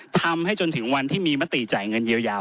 ทำให้จนถึงวันที่มีมติจ่ายเงินเยียวยา